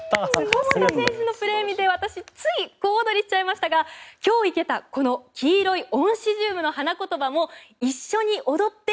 桃田選手のプレーを見て私、つい小躍りしちゃいましたが今日生けたこの黄色いオンシジウムの花言葉も一緒に踊って？